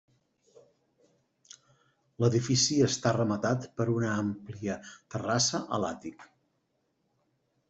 L'edifici està rematat per una àmplia terrassa a l'àtic.